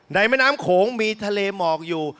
แม่น้ำโขงมีทะเลหมอกอยู่